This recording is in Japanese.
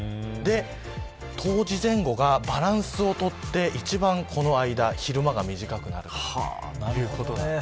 冬至前後がバランスを取って一番この間昼間が短くなるという感じです。